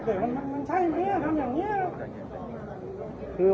แต่มันใช่ไหมทำอย่างนี้